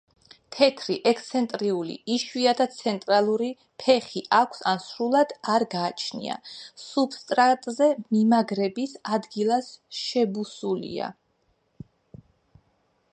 თეთრი, ექსცენტრული, იშვიათად ცენტრალური ფეხი აქვს ან სრულიად არ გააჩნია; სუბსტრატზე მიმაგრების ადგილას შებუსულია.